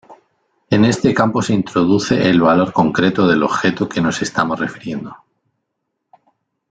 En este campo se introduce el valor concreto del objeto que nos estamos refiriendo.